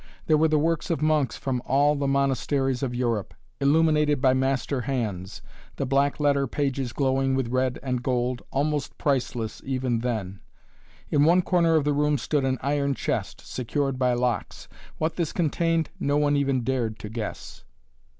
There were the works of monks from all the monasteries of Europe, illuminated by master hands, the black letter pages glowing with red and gold, almost priceless even then. In one corner of the room stood an iron chest, secured by locks. What this contained no one even dared to guess.